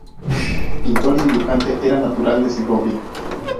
Pintor y dibujante, era natural de Segovia.